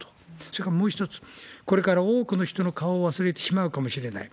それからもう一つ、これから多くの人の顔を忘れてしまうかもしれない。